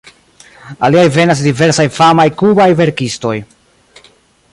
Aliaj venas de diversaj famaj kubaj verkistoj.